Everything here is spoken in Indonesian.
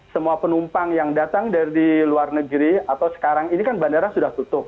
semua penumpang yang datang dari luar negeri atau sekarang ini kan bandara sudah tutup